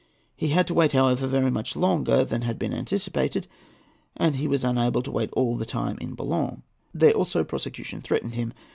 He had to wait, however, very much longer than had been anticipated, and he was unable to wait all the time in Boulogne. There also prosecution threatened him.